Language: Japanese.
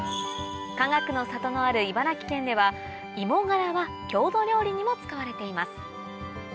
かがくの里のある茨城県では芋がらは郷土料理にも使われています